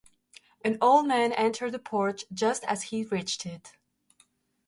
An old man entered the porch just as he reached it.